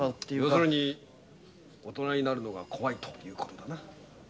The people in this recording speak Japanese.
要するに大人になるのが怖いということだな。